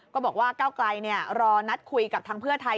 บอกว่าก้าวไกลรอนัดคุยกับทางเพื่อไทย